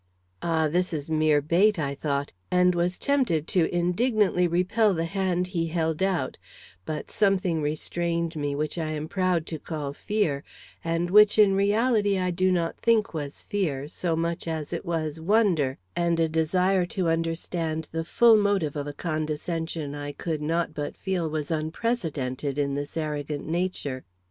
"Ah, this is mere bait!" I thought, and was tempted to indignantly repel the hand he held out; but something restrained me which I am to proud to call fear, and which in reality I do not think was fear, so much as it was wonder and a desire to understand the full motive of a condescension I could not but feel was unprecedented in this arrogant nature.